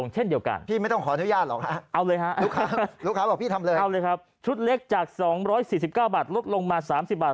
ชุดเล็กจาก๒๔๙บาทลดลงมา๓๐บาท